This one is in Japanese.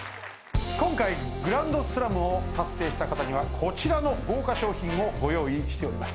今回グランドスラムを達成した方にはこちらの豪華賞品をご用意しております。